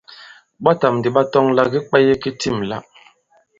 Ɓɔtàm ndì ɓa tɔŋ àlà ki kwāye ki tîm la.